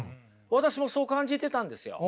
私もそう感じてたんですよ。